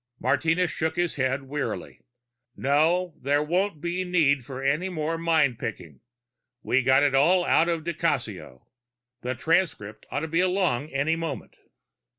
Martinez shook his head wearily. "No. There won't need to be any more mind picking. We got it all out of di Cassio. The transcript ought to be along any moment."